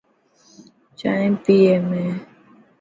جائن پئي هي ۾.